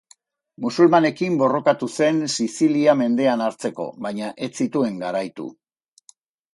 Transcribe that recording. Musulmanekin borrokatu zen Sizilia mendean hartzeko, baina ez zituen garaitu.